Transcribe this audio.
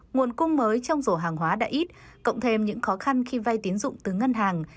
nguồn cung mới trong rổ hàng hóa đã ít cộng thêm những khó khăn khi vay tín dụng từ ngân hàng